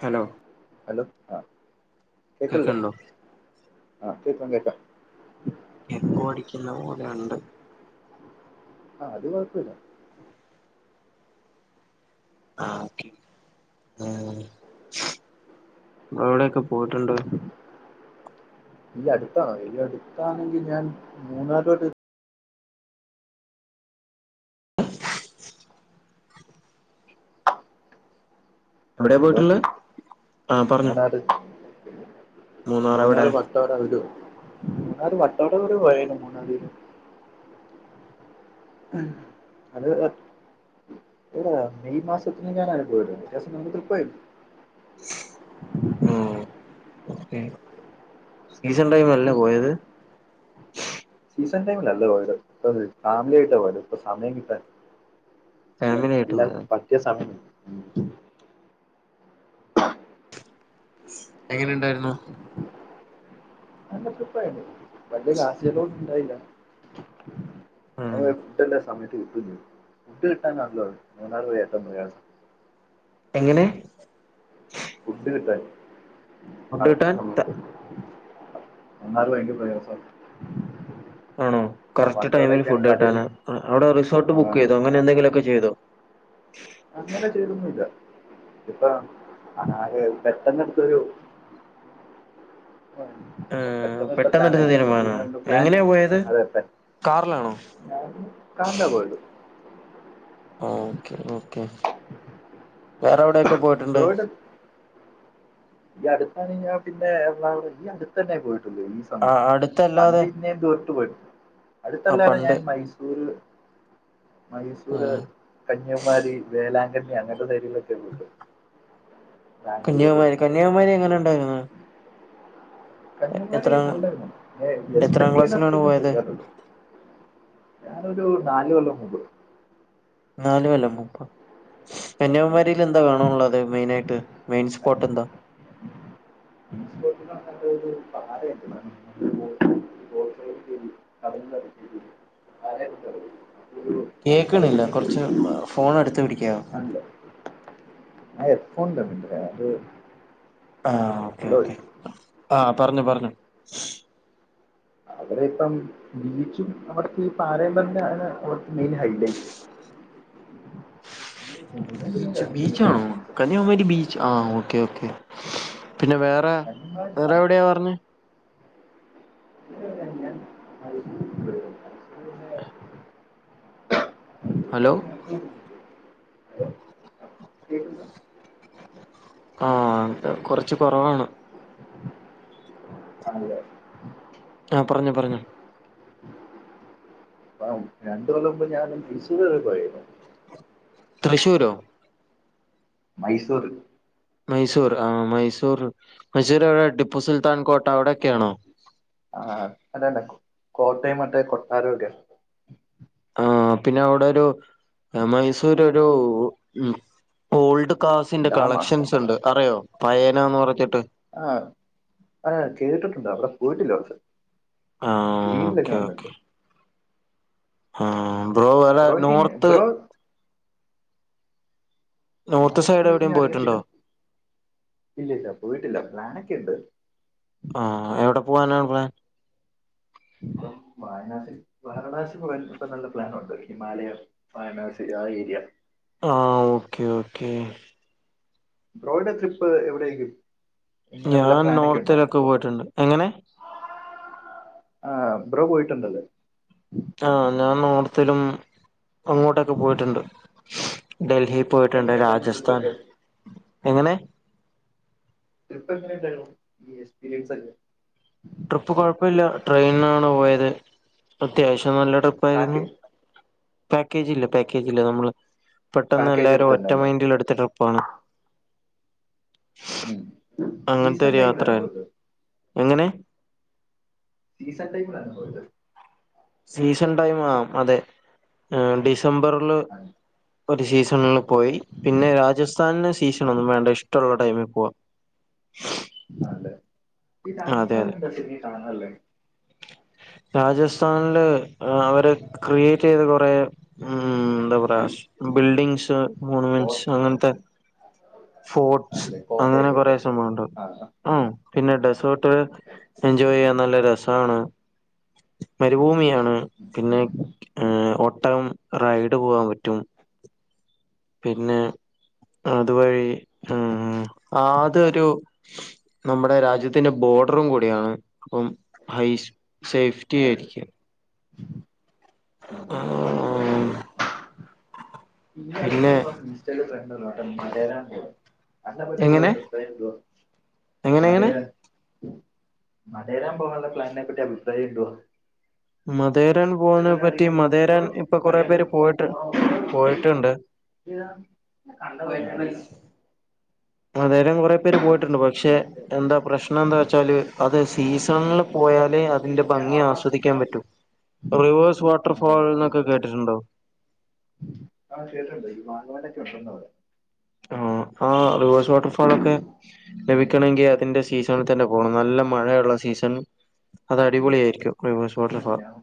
Hello hello ആ കേക്കണില്ലേ കേക്ക്ണ്ടോ ആഹ് കേക്കാം കേക്കാം എക്കോ അടിക്കുന്ന പോലെയുണ്ട്. ആഹ് അത് കുഴപ്പല്ല. ആ ഓക്കേ എവിടൊക്കെ പോയിട്ടുണ്ട്. ഈ അടുത്താണോ ഈ അടുത്താണെങ്കിൽ ഞാൻ മൂന്നാറ് [inaudible] എവിടെയാ ഹലോ പോയിട്ടുള്ളേ ആഹ് പറഞ്ഞോ മൂന്നാറ് മൂന്നാർ എവിടെ മൂന്നാറ് വട്ടവട ഒരു മൂന്നാറ് വട്ടവട പോയാരുന്നു മൂന്നാറ് അത് എടാ മെയ് മാസത്തിന് ഞാനാണു പോയത് [unintelligible] ഉം ഓകെ സീസൺ ടൈം അല്ലേ പോയത് സീസൺ ടൈമിലല്ലാ പോയത് ഫാമിലി ആയിട്ടാ പോയത് ഇപ്പ സമയം കിട്ടാൻ അല്ല ഫാമിലി ആയിട്ട് എല്ലാ പോയതാ പറ്റിയ സമയം എങ്ങനെ ഇണ്ടായിരുന്നു നല്ല ട്രിപ്പായിരുന്നു വലിയ കാശു ചിലവൊന്നും ഇണ്ടായില്ല ഉം ഫുഡ്ല്ല സമയത്ത് ഫുഡ് കിട്ടാനാണല്ലോ മൂന്നാറ് പോയാൽ ഏറ്റവും പ്രയാസം എങ്ങനെ ഫുഡ് കിട്ടാൻ ഫുഡ് കറക്റ്റ് കിട്ടാൻ സമയത്ത്. മൂന്നാറ് ഭയങ്കര പ്രയാസാ ആണോ? കറക്റ്റ് ടൈമിൽ ഫുഡ് കിട്ടാനാ അവിടെ റിസോർട്ട് ആ, ബുക്കയ്തോ? അങ്ങനെ എന്തെങ്കിലൊക്കെ ചെയ്തോ? അങ്ങനെ ചെയ്തൊന്നുമില്ല ഇപ്പ ആ ആഹ് പെട്ടെന്ന്ട്ത്ത ഒരു ഏഹ് പെട്ടെന്നെടുത്ത തീരുമാനമാണോ എങ്ങനെയാ പോയത് [unintelligible] [unintelligible] [unintelligible] കാറിലാണോ ഞാൻ കാന്താ പോയത് ഓക്കെ ഓക്കെ വേറെവിടെക്കെ പോയി [unintelligible] ഈ അടുത്താണ് ഞാൻ പിന്നെ എറണാകുള ഈ അടുത്ത തന്നെ പോയിട്ടുള്ളൂ ഈ ആ സമയത്ത് പണ്ട് അടുത്തല്ലാതെ പിന്നേം ദൂരോട്ട് പോയി ആ അടുത്തല്ലാതെ ഞാൻ പണ്ട് മൈസൂര് മൈസൂര് ആഹ് കന്യാകുമാരി വേലാങ്കണ്ണി അങ്ങനത്തെ സൈഡിലൊക്കെ പോയിട്ട് ഒണ്ട് കന്യാകുമാരി കന്യാകുമാരി എങ്ങനെ ഉണ്ടായിരുന്നു കന്യാകുമാരി എത്രാം നല്ലാരുന്ന് [unintelligible] എത്രാം എസ്പെക്ട് ക്ലാസ്സിലാണ് ചെയ്യുന്നത്രേക്കൊന്നും പോയത് ഇല്ലാരുന്നൂ. ഞാനൊരു നാലു കൊല്ലം മുൻപ് നാല് കൊല്ലം മുൻപൊ കന്യാകുമാരിയില് ന്താ കാണാള്ളത് മെയിനായിട്ട് മെയിൻ സ്പോട്ട് ണ്ടാ? [unintelligible] [unintelligible] കേക്കണില്ല പ്രതിമ കുറച്ച് ഫോൺ അടുത്ത് പിടിക്കാവോ അല്ലേ കണ്ട് ആ എ ഫോൺ തമേ അത് ആഹ ഹലോ ആഹ പറഞ്ഞു പറഞ്ഞു അവിടെ ഇപ്പം ബീച്ചും അവിടത്തെ ഈ പാറൽ പറന്നണ് അവിടുത്തെ മെയിൻ ഹൈലൈറ്റ് സൺസെറ്റിന് ബീച്ച് കളിക്കുന്നുണ്ട് ബീച്ചാണോ സൺസെറ്റ് കന്യാകുമാരി ബീച്ച് ആ ഓക്കേ ഓക്കേ പിന്നെ വേറെ കണ്ണുമായി വേറെ സൺസെറ്റ് എവിടെയാണ് പറഞ്ഞത് [unintelligible] ഹലോ മൈസൂരിലെ കേൾക്കുന്നു ആ കുറച്ച് കുറവാണ് അതെ ആ പറഞ്ഞോ പറഞ്ഞോ അ രണ്ട്‌ കൊല്ലം മുമ്പ് ഞാൻ തൃശൂർവറെ പോയരുന്നു തൃശൂരോ മൈസൂർ മൈസൂർ ആ മൈസൂർ മൈസൂർ അവിടെ ടിപ്പു സുൽത്താൻ കോട്ട അവിടെയൊക്കെയാണോ ആഹ അതാണ്ട കോട്ടയം മറ്റേ കൊട്ടാരം ഒക്കെ ആഹ പിന്നെ അവിടെ ഒരു മൈസൂര് ഒരു ഓൾഡ് കാസിന്റെ ഡാമാ കളക്ഷൻസ് ഉണ്ട് അറിയോ പയന എന്ന് പറഞ്ഞിട്ട് ആഹ് ആ കേ ട്ടിട്ടുണ്ട് അവിടെ പോയിട്ടില്ല പക്ഷെ ആ ീനല്ല ഓക്കെ കാണ്ടണ്ട ഓക്കെ ആ ബ്രോ വേറെ ബ്രോയ്ക്ക് ഇങ്ങനെ നോർത്ത് ബ്രോ നോർത്ത് സൈഡ് മോറോട്ടിലൊക്കെ എവിടെയും ഞാ അടങ്ങൻ പോയിട്ടുണ്ടോ പിന്നെ ഇല്ല ഇല്ല പോയിട്ടില്ല പ്ലാനൊക്കെ ഉണ്ട് ആ എവിടെ പോവാനാണ് പ്ലാൻ ഇപ്പ വായനാസിൽ വാരണാസി പോകാൻ ഇപ്പ നല്ല പ്ലാനുണ്ട് ഹിമാലയം വാ നാ സി ആ ഏരിയ ആ ഓക്കേ ഓക്കേ ബ്രോയ്ഡ ട്രിപ്പ് എവിടെേക്കും ഞാൻ നോർത്തിലൊക്കെ പോയിട്ടുണ്ട് എങ്ങനെ ആ് ബ്രോ പോയിട്ടുണ്ടല്ലേ ആ് ഞാൻ ഓർത്തിലും അങ്ങോട്ടൊക്കെ പോയിട്ടുണ്ട് ഡൽഹി പോയിട്ടുണ്ട് എങ്ങനെ ഉണ്ടായിരുന്നു രാജസ്ഥാൻ ട്രിപ്പൊക്കെ എങ്ങനെ ട്രിപ്പ് എങ്ങനെ ഉണ്ടായിരുന്നു ഈ എക്സ്പീരിയൻസ് അല്ലേ ട്രിപ്പ് കുഴപ്പില്ല ട്രെയിനിാണ് പോയത് അത്യാവശ്യം നല്ല ട്രിപ്പ് ആായിരുന്നു പാക്കേജ് പാക്കേജ്‌ ഇല്ല പാക്കേജ്‌ ഇല്ല നമ്മള് പെട്ടെന്ന് പാക്കേജ് എല്ലാരും ഒറ്റ എടുത്തിണ്ടല്ലേ മൈൻറിൽ എടുത്ത ട്രിപ്പാണ് ഉ അങ്ങനത്തെ സീസൺ ഒരു ടൈമിലാണോ യാത്രയാണ് പോയത് എങ്ങനെ സീസൻ ടൈമിലാണ് പോയ ത് സീസൺ ടൈം ആ അതെ ഡിസംബറിില് ഒരു സീസണില് പോയി പിന്നെ രാജസ്ഥാനന് സീസൺ ഒന്നും വേണ്ട ഇഷ്ടമുള്ള ടൈമിൽ പോവാ ആല്ലേ ഈ അതെ അതെ രാജസ്ഥാനിൽ ശരിക്ക് എന്താ കാണാനുള്ളത് രാജസ്ഥാനില് അവര് ക്രിയേറ്റ് ചെയ്ത കുറേ ഉം ന്താ കൊറേവശ് ബിൽഡിംഗ്ശ് മോണ [unintelligible] കോ ന്റ്സ് അങ്ങൻത്തെ ഫോർട്്സ് ആണല്ലേ അങ്ങനെ കൊറെ കോട്ടയൊക്കെല്ലേ സമവുണ്ട് ആ ആ പിന്നെ ഡെസേർട്ട് എൻജോയ് ചെയ്യാൻ നല്ല രസമാണ് മരുഭൂമിയാണ് ഉം പിന്നെ ഏ ഒട്ടകം റൈഡ് പോകാൻ പറ്റും പിന്നെ അതുവഴി ഉ ആതൊരു നമ്മുടെ രാജ്യത്തിന്റെ ബോർഡറും കൂടിയാണ് അപ്പം ഹൈ സേഫ്റ്റി ആയിരിക്ക ആഹ് [unintelligible] ഇതിന്റെ പിന്നെ അട്ത്ത്പ്പ ഇൻസ്റ്റേല് ഫ്രണ്ടന്നാ മലേരാ പോള് അന്ന എങ്ങനെ പറ്റ എങ്ങനെ എങ്ങനെ [unintelligible] മലരാൻ പോകാനുള്ള പ്ലാനിനെ പ്പറ്റി അഭിപ്രായ ഉണ്ടോന്ന്? മതേരൻ പോവ്‌ന്നെ പറ്റി മദേരൻ ഇപ്പൊ കൊറേ പേര് പോയിട്ട് പോയിട്ട്ണ്ട് താ ഞാ കണ്ട [unintelligible] ത് മതേരം കൊറേ പേര് പോയ്ട്ട്ണ്ട് പക്ഷെ എന്താ പ്രശ് ണം എന്താച്ചാല് അത് സീസൺൽ പോയാല് അ തിന്റെ ഭംഗി ആസ്വദിക്കാൻ പറ്റൂ റിവേഴ്സ് വാട്ടർ അതെ ഫാൾന്നൊക്കെ കേട്ടിട്ട്ണ്ടോ? ആഹ് കേട്ട്ണ്ട് ഈ മാങ്ങവാലൊക്കെ ഉണ്ട്ന്ന പോലെ ആഹ് ആഹ് റിവേഴ്സ് വാട്ടർഫാളൊക്കെ ലഭിക്കണെങ്കി അ തിന്റെ സീസണിൽ തന്നെ പോണം നല്ല മഴയൊള്ള സീസൺല് അത് പറയാം അടിപൊളിയായിരിക്കും റിവേഴ്സ് വാട്ടർഫാൾ ഞാൻ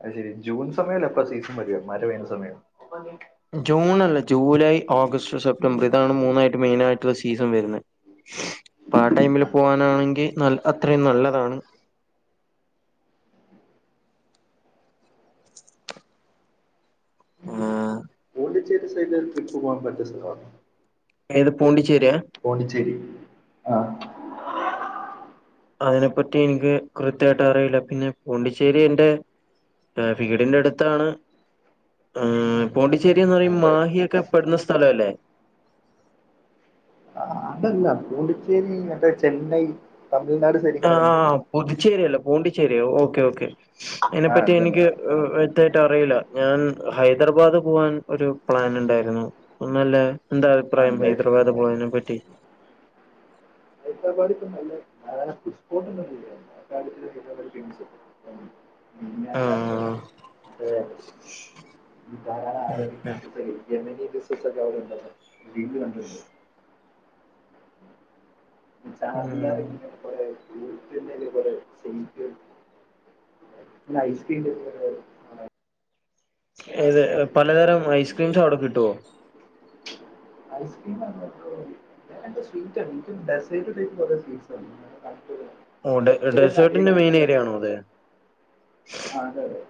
അത് ശെരി ജൂൺ സമയല്ലെ എപ്പള് സീസൺ വര്ക മഴ പെയ്യ്ന്ന സമയം ജൂൺ അല്ല ജൂലൈ ഓഗസ്റ്റ് സെപ്റ്റംബർ ഇതാണ് മൂന്നായിട്ട് മെയിനായിട്ട്ള്ള സീസൺ വര്ന്നെ അപ്പൊ ആ ടൈമില് ആണല്ലേ പോവാനാണെങ്കിൽ ന അത്രയും നല്ലതാണ്. പോണ്ടിച്ചേരി സൈഡില് ട്രിപ്പ് പോവാൻ പറ്റ സ്ഥലമാണ്. ഏത് പൂണ്ടിച്ചേരിയ? പോണ്ടിച്ചേരി ആഹ് അതിനെപ്പറ്റി ഇൻക്ക് കൃത്യായ്ട്ടറീലാ പിന്നെ പോണ്ടിച്ചേരി എന്റെ വീടിന്റെടുത്താണ് ആണ് ഉം പോണ്ടിച്ചേരീന്ന് പറയുമ്പം ആണല്ലേ മാഹിയൊക്കെ പ്പെട്ന്ന സ്ഥലംവല്ലേ? ആ, അതല്ല പോണ്ടിച്ചേരി മറ്റേ ചെന്നൈ തമിഴ്നാട് സൈഡിൽ കിടക്കണേ ആഹ് പുതുച്ചേരിയല്ല പൂണ്ടിച്ചേരിയോ ഓക്കെ ഓക്കെ ആ അയ്നെപ്പറ്റി അതെ അതെ എനിക്ക് അതെ ആഹ് വ്യക്തായ്ട്ട് അറീലാ ഞാൻ ഹൈദരാബാദ് പോവാൻ ഒര് പ്ലാന്ണ്ടായ്ര്ന്നു ഒന്നുല്ലാ എന്താ അഭിപ്രായം ആണല്ലേ ഹൈദരാബാദ് പോയേനെ പറ്റി? [inaudible] ബിര്യാണി ആട്ടെ ആഹ് തേ ഓക്കെ [unintelligible] വീണ്ടു കണ്ടിണ്ട് ചാർമിനാർ [unintelligible] ഉം പിന്നെ ഇതേപോലെ [unintelligible] പിന്നെ ഐസ്ക്രീംന്റെ [unintelligible] ഏത് പലതരം ഐസ്ക്രീംസവ്ടെ കിട്ടുവോ? ഐസ്ക്രീം അല്ല ബ്രോ സ്വീറ്റ് [unintelligible] ഡെസേർട്ട് [unintelligible] ഓ ഡെ ഇവിടെന്നും അതികം ഡെസേർട്ടിന്റെ മെയിൻ കിട്ടില്ലട്ടോ ഏരിയ ആണോ പറയാ അത്? ആ അതെതെ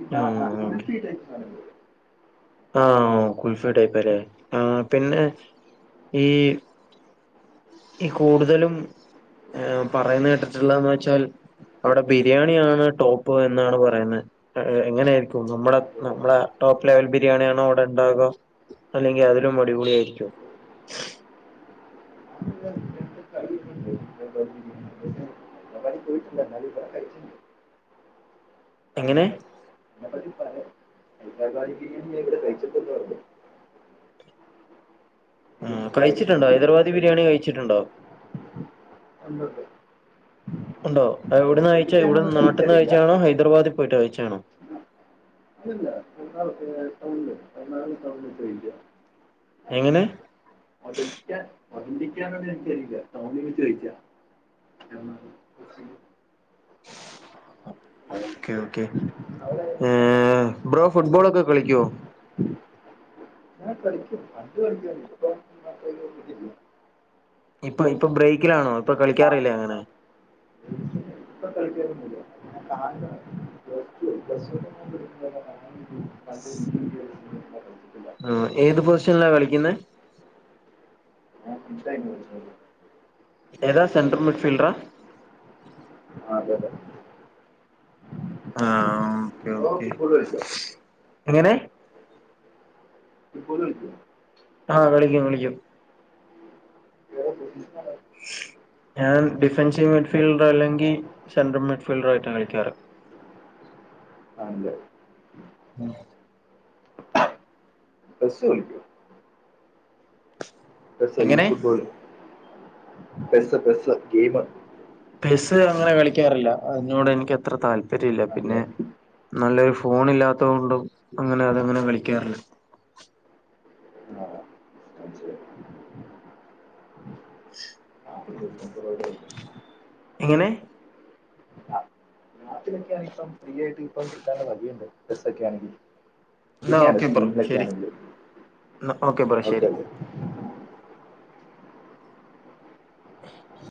ആഹ് ആഹ് ഉൽഫിട്ടെ [unintelligible] ആഹ് കുൽഫി ടൈപ്പ് അലേ ആഹ് പിന്നെ ഈ ഈ കൂടുതലും ഏഹ് പറയ്ന്നെ കേട്ടിട്ട്ള്ളെന്ന് വെച്ചാൽ അവ്ടെ ബിരിയാണിയാണ് ടോപ്പ് എന്നാണ് പറയുന്നേ ഏഹ് എങ്ങെനെയായിരിക്കും നമ്മടെ ആ, അതെ. നമ്മളെ ടോപ്പ് ലെവൽ ബിര്യാണിയാണോ അവിടെണ്ടാകാ? അല്ലെങ്കി അതിലും അടിപൊളിയായിരിക്കും [inaudible] [inaudible] അവരാരും പോയിട്ടില്ല എന്നാലും ഇവിടെ കളിക്കുന്നുണ്ട്. എങ്ങനെ? [unintelligible] പറേ [unintelligible] ഇവിടെ കഴിച്ച്ട്ട്ണ്ടാേ ബിരിയാണി ആഹ് ഇവിടെ കയിച്ചിട്ട്ണ്ടോ കഴിച്ചിട്ടുണ്ട് ഹൈദരാബാദി ബിര്യാണി കയിച്ചിട്ട്ണ്ടോ? ഉണ്ട് ഉണ്ട് ഉണ്ടോ എവിടെന്ന് കയ്ച്ചാ ഇവ്‌ട്‌ന്ന് എനിക്കാണെന്നൊന്നും നാട്ട്ന്ന് എനിക്കറിയില്ല കയ്ച്ചാണോ ഹൈദ്രബാദി പോയിട്ട് കയ്ച്ചാണോ? ഇല്ലല്ലാ [unintelligible] സൗണ്ട് എറണാകുളം എങ്ങനെ [unintelligible] ഒതെന്റിക്ക് മന്തി എനിക്കങ്ങനെട്ത്തെയ്ത തോന്നിപ്പ ചോയിച്ച ആ കൊച്ചിയിൽ [inaudible] ഓക്കെ ഓക്കെ അവിടെ ങ് ബ്രോ ഫുട്ബോളൊക്കെ കളിക്കുവോ? ഞാൻ കളിക്കും പണ്ട് കളിക്കുവാരുന്നു ഇപ്പോൾ [unintelligible] കിട്ടിയിട്ടില്ല. ഇപ്പൊ ഇപ്പൊ ബ്രേക്കിലാണോ? ഇപ്പൊ പിന്നെ കാ- കളിക്കാറില്ലേ അങ്ങനെ? ഇപ്പൊ കളിക്കാറൊന്നൂല്ല. [unintelligible] പ്ലസ് ടു പ്ലസ് വണ്ണും കംപ്ലീറ്റ [unintelligible] ആഹ് ഏത് പൊസിഷനിലാ കളിക്കുന്നെ? [unintelligible] ഏതാ സെൻട്രൽ മിറ്റ് ഫീൽഡറാ? ആഹ് അതെ അതെ. ആഹ ഓക്കെ ബ്രോ ഓകെ ഫുട്ബോൾ കളിക്കോ എങ്ങനെ. ഫുട്ബോൾ കളിക്കോ? ആഹ് കളിക്കും കളിക്കും. [inaudible] ഞാൻ ഡിഫൻസീവ് മിഡ്‌ ഫീൽഡോ അല്ലെങ്കിൽ സെൻട്രൽ മിഡ്ഫീൽഡോ ആയിട്ട് കളിക്കാറ്. അഹ് ഉണ്ടാവും. [inaudible] [unintelligible] [unintelligible] എങ്ങനെ ഫുട്ബോള് പെസ പെസ ഗെയിമ് ചെസ്സ് അങ്ങനെ കളിക്കാറില്ല അതിനോട് എനിക്ക് അത്ര താല്പര്യം ഇല്ല. പിന്നെ ആണല്ലേ നല്ലൊരു ഫോൺ ഇല്ലാത്ത കൊൊണ്ടും അങ്ങനെ അതങ്ങനെ കളിക്കാറില്ല. ആ മനസ്സിലായി [inaudible] [unintelligible] എങ്ങനെ?. നാട്ടിലൊക്കെയാണ ഇപ്പം ഫ്രീ ആയിട്ട് ഇപ്പം കിട്ടാനുള്ള വഴിയുണ്ട് ചെസ്സ് ഒക്കെ ആണെങ്കിൽ. ഫ്രീ എന്നാ ആണ് ഓക്കെ ബ്രോ സ്റ്റീമിലൊക്കെ ശരി ആണെങ്കിലും എന്നാ ബ്രോ ഓക്കെ ശരി ഓക്കെ. [inaudible]